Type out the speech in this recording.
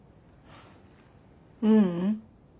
ううん。